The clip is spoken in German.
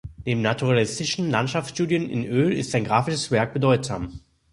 Neben naturalistischen Landschaftsstudien in Öl ist sein graphisches Werk bedeutsam.